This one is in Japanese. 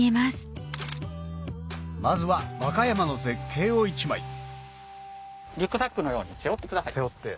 まずは和歌山の絶景を一枚リュックサックのように背負ってください。